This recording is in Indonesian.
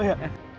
bota gak seru